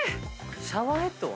シャワーヘッドは？